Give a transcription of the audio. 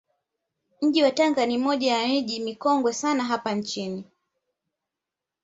Mji wa Tanga ni moja ya miji mikongwe sana hapa nchini